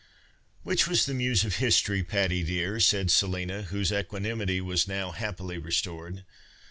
" Which was the muse of history, Patty, dear ?" said Selina, whose equanimity was now happily restored.